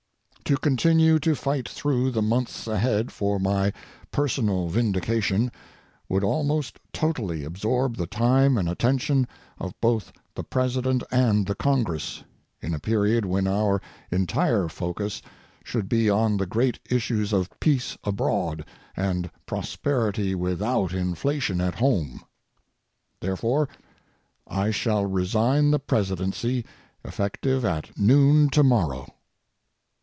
To continue to fight through the months ahead for my personal vindication would almost totally absorb the time and attention of both the President and the Congress in a period when our entire focus should be on the great issues of peace abroad and prosperity without inflation at home. Therefore, I shall resign the Presidency effective at noon tomorrow.